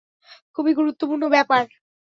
খুবই গুরুত্বপূর্ণ ব্যাপার।